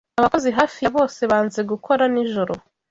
Abakozi hafi ya bose banze gukora nijoro.